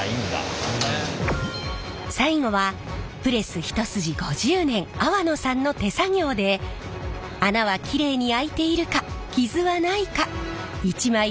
最後はプレス一筋５０年粟野さんの手作業で穴はきれいに空いているか傷はないか一枚一枚入念にチェック。